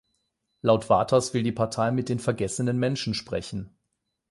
Laut Waters will die Partei "„"mit den vergessenen Menschen sprechen"“".